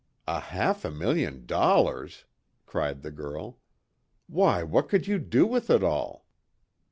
"A half a million dollars!" cried the girl, "Why, what could you do with it all?"